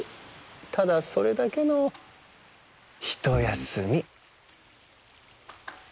ただそれだけのひとやすみ。